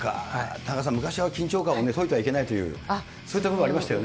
田中さん、緊張感をそいじゃいけないっていう、そういった部分ありましたよ